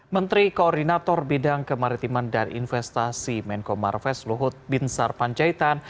menteri koordinator bidang kemaritiman dan investasi menko marves luhut binsar panjaitan